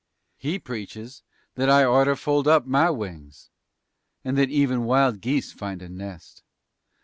He preaches that I orter fold up my wings And that even wild geese find a nest.